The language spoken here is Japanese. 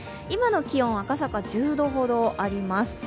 今の気温は赤坂、１０度ほどあります